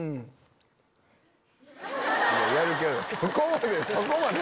やるけど！